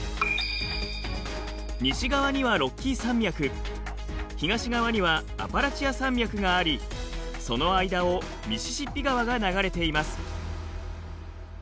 西側にはロッキー山脈東側にはアパラチア山脈がありその間をミシシッピ川が流れています。